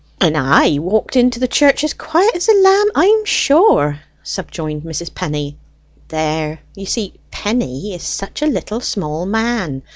"And I walked into the church as quiet as a lamb, I'm sure," subjoined Mrs. Penny. "There, you see Penny is such a little small man.